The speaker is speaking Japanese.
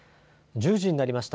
１０時になりました。